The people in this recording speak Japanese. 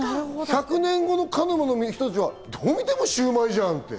１００年後の鹿沼の人たちは、どう見てもシウマイじゃんって。